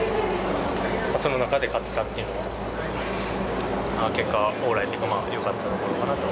その中で勝ったっていうのは、結果オーライというか、よかったのかなと。